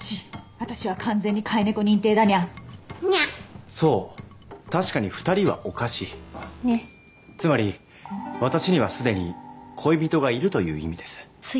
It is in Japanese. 私は完全に飼い猫認定だニャーニャーそう確かに２人はおかしいねっつまり私には既に恋人がいるという意味です